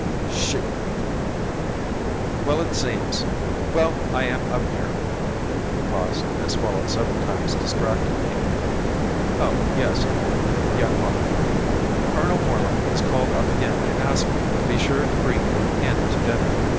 "Shoot!" "Well it seems well, I am up here " He paused and swallowed several times distractedly. "Oh, yes. Young woman, Colonel Moreland has called up again to ask me to be sure to bring you in to dinner.